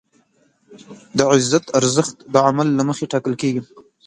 د عزت ارزښت د عمل له مخې ټاکل کېږي.